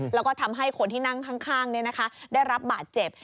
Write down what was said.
แล้วก็ทำให้คนที่นั่งข้างได้รับบาดเจ็บ